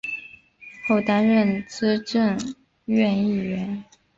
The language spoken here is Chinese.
后担任资政院议员。